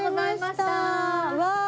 うわ！